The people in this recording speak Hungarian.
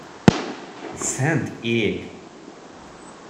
Szent ég!